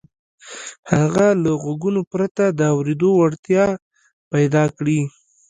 هغه له غوږونو پرته د اورېدو وړتيا پيدا کړي.